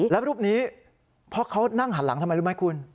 แล้วรูปนี้เพราะเขานั่งหันหลังทำไมรู้ไหมคุณ